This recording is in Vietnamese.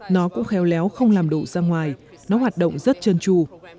nó cũng khéo léo không làm đổ ra ngoài nó hoạt động rất chân trù